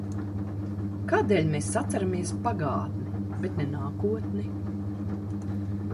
Kādēļ mēs atceramies pagātni, bet ne nākotni?